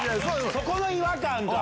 そこの違和感か。